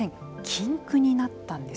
禁句になったんです。